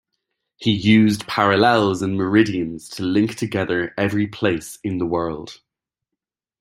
He used parallels and meridians to link together every place in the world.